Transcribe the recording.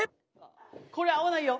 これ合わないよ。